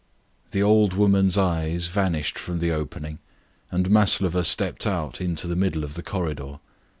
The old woman's eyes vanished from the grating, and Maslova stepped out into the middle of the corridor.